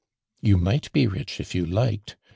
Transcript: " You might be rich if you liked.